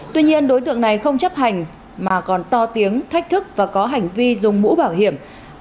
tuy nhiên đối tượng này không chấp hành mà còn to tiếng thách thức và có hành vi dùng mũ bảo hiểm